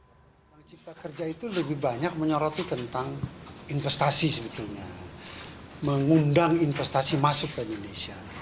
undang undang cipta kerja itu lebih banyak menyoroti tentang investasi sebetulnya mengundang investasi masuk ke indonesia